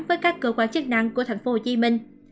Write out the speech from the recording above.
với các cơ quan chức năng của thành phố hồ chí minh